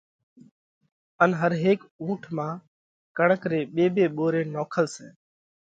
ان هر هيڪ اُونٺ مانه ڪڻڪ ري ٻي ٻي ٻوري نوکل سئہ۔